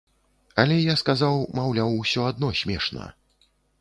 Але я сказаў, маўляў, усё адно смешна.